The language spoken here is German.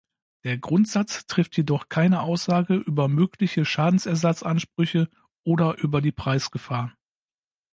Der Grundsatz trifft jedoch keine Aussage über mögliche Schadensersatzansprüche oder über die Preisgefahr.